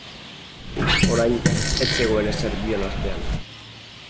Orain, ez zegoen ezer bion artean.